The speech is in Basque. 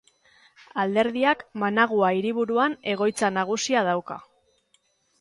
Alderdiak Managua hiriburuan egoitza nagusia dauka.